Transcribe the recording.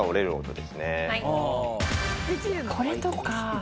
これとか。